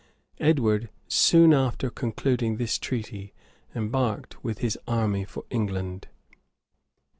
[] Edward, soon after concluding this treaty, embarked with his army for England.